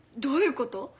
どういうこと？